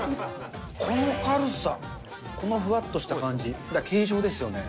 この軽さ、このふわっとした感じ、形状ですよね。